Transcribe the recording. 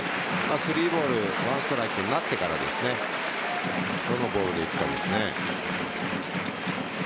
３ボール１ストライクになってからどのボールでいくかですね。